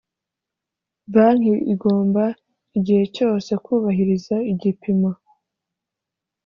Banki igomba igihe cyose kubahiriza igipimo